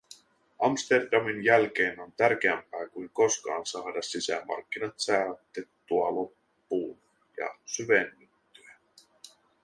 Amsterdamin jälkeen on tärkeämpää kuin koskaan saada sisämarkkinat saatettua loppuun ja syvennettyä.